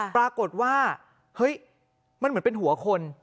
ปรากฏว่าเฮ้ยมันเหมือนเป็นหัวคน